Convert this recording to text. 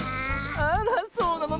あらそうなの？